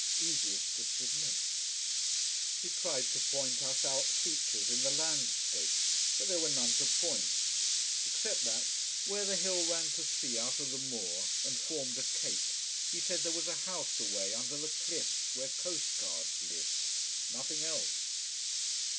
Easiest to submit. He tried to point us out features in the landscape: but there were none to point, except that, where the hill ran to sea out of the moor, and formed a cape, he said there was a house away under the cliffs where coastguards lived. Nothing else.